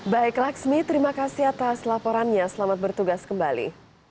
baik laksmi terima kasih atas laporannya selamat bertugas kembali